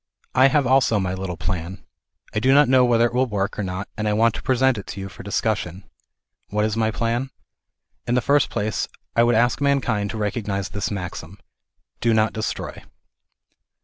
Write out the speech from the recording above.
I have also my little plan. I do not know whether it will work or not and I want to present it to you for discussion. What is my plan ? In the first place I would ask mankind to recognize this maxim ŌĆö " Do not destroy."